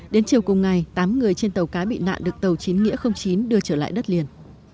đến chiều cùng ngày tám người trên tàu cá bị nạn được tàu chín nghĩa chín đưa trở lại đất liền